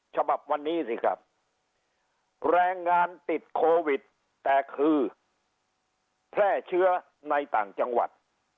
ฉบับวันนี้สิครับแรงงานติดโควิดแต่คือแพร่เชื้อในต่างจังหวัด